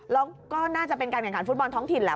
แล้วก็น่าจะเป็นการแข่งขันฟุตบอลท้องถิ่นแหละ